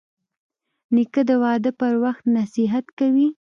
نیکه د واده پر وخت نصیحت کوي.